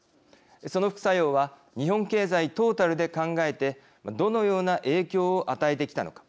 その副作用は日本経済トータルで考えてどのような影響を与えてきたのか。